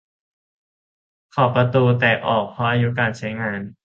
ขอบประตูแตกออกเพราะอายุการใช้งาน